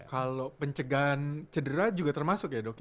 kalau pencegahan cedera juga termasuk ya dokter